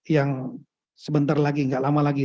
yang sebentar lagi gak lama lagi